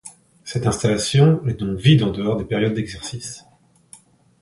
Cette installation est donc vide en dehors des périodes d’exercice.